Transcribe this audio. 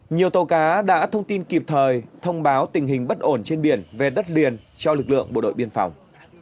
nhiều tàu cá đã thông tin kịp thời thông báo tình hình bất ổn trên biển về đất liền cho lực lượng bộ đội biên phòng